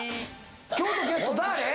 今日のゲストだれ？